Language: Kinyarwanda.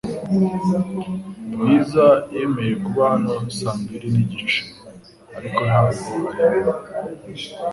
Bwiza yemeye kuba hano saa mbiri nigice, ariko ntabwo ari hano